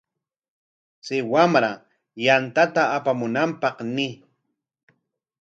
Chay wamra yantata apamunanpaq ñiy.